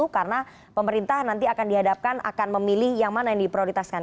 karena pemerintah nanti akan dihadapkan akan memilih yang mana yang diprioritaskan